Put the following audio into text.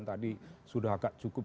tadi sudah agak cukup